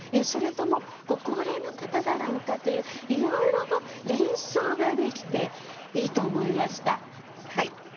それともご高齢の方だろうか？といういろいろと連想ができていいと思いました。